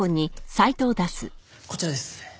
こちらです。